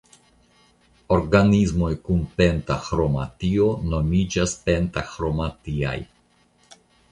Organismoj kun pentaĥromatio nomiĝas "pentaĥromatiaj".